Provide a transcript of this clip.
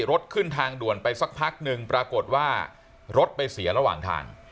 รถขึ้นทางด่วนไปสักพักหนึ่งปรากฏว่ารถไปเสียระหว่างทาง